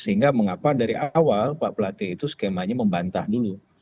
sehingga mengapa dari awal pak pelatih itu skemanya membantah dulu